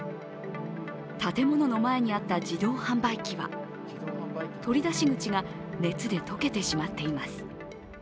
建物の前にあった自動販売機は取り出し口が熱で溶けてしまっています。